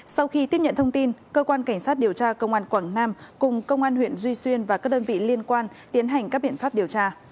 sau khi tiếp nhận thông tin cơ quan cảnh sát điều tra công an quảng nam cùng công an huyện duy xuyên và các đơn vị liên quan tiến hành các biện pháp điều tra